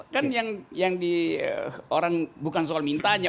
kan yang di orang bukan soal mintanya